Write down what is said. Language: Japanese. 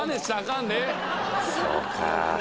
そうか。